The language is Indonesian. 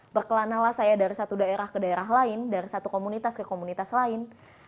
berkelanalah saya dari satu daerah ke daerah lain dari satu komunitas ke komunitas lain